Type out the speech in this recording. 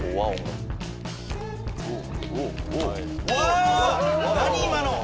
うわ何今の！